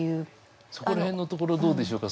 そこら辺のところどうでしょうか。